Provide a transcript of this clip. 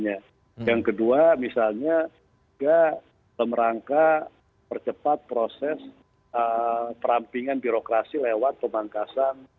yang kedua misalnya ya merangka percepat proses perampingan birokrasi lewat pemangkasan